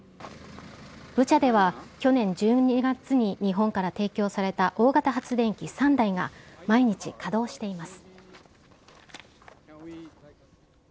ブチャでは去年１２月に日本から提供された大型発電機３台が、毎日稼働しています。